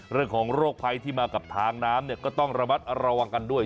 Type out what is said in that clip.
เรื่องของโรคภัยที่มากับทางน้ำก็ต้องระมัดระวังกันด้วย